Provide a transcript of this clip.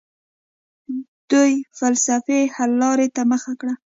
دوی فلسفي حل لارې ته مخه کړه.